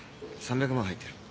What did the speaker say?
３００万入ってる。